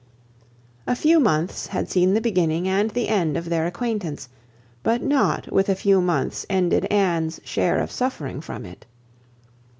A few months had seen the beginning and the end of their acquaintance; but not with a few months ended Anne's share of suffering from it.